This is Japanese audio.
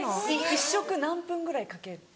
１食何分ぐらいかける？